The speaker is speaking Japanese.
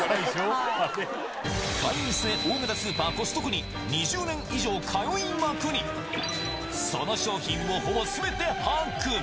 会員制大型スーパー、コストコに２０年以上、通いまくり、その商品をほぼすべて把握。